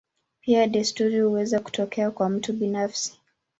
Pia desturi huweza kutokea kwa mtu binafsi.